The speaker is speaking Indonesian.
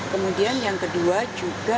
kemudian yang kedua